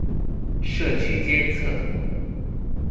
社區監測